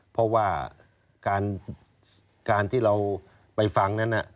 เพราะว่าการที่เราไปฟังนั้น